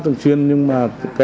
thường xuyên nhưng mà